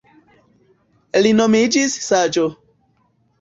Li nomiĝis Saĝo.